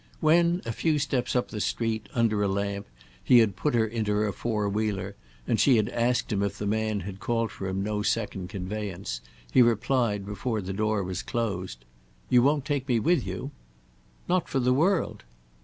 When, a few steps up the street, under a lamp, he had put her into her four wheeler and she had asked him if the man had called for him no second conveyance, he replied before the door was closed. "You won't take me with you?" "Not for the world."